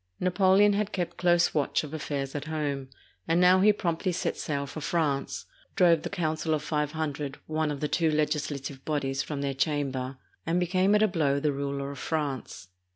Napoleon had kept close watch of affairs at home, and now he promptly set sail for France, drove the Council of Five Hundred, one of the two legislative bodies, from their chamber, and became at a blow the ruler of France.